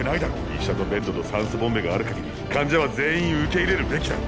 医者とベッドと酸素ボンベがある限り患者は全員受け入れるべきだ。